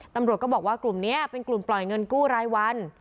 ตำรวจก็บอกว่ากลุ่มนี้เป็นกลุ่มปล่อยเงินกู้รายวัน